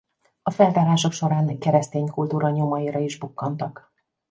A feltárások során keresztény kultúra nyomaira is bukkantak.